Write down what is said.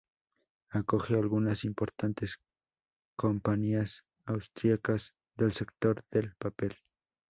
Acoge algunas importantes compañías austríacas del sector del papel.